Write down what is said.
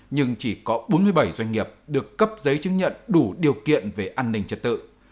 nhưng chỉ có bốn mươi bảy doanh nghiệp được cấp giấy chứng nhận đủ điều kiện về an ninh trật tự